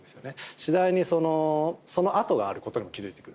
次第に、そのあとがあることに気付いてくる。